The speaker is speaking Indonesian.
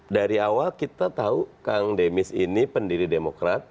dari awal kita tahu kang demis ini pendiri demokrat